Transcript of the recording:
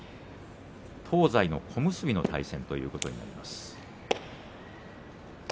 東西の小結の対戦ということになります。